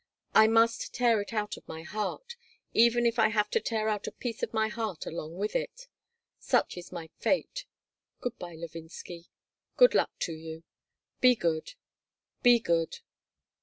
"I must tear it out of my heart, even if I have to tear out a piece of my heart along with it. Such is my fate. Good by, Levinsky. Good luck to you. Be good. Be good.